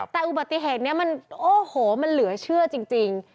แต่อุบัติเหตุเนี้ยมันเหลือเชื่อจริง